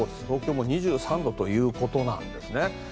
東京も２３度ということなんですね。